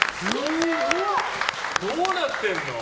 どうなってんの？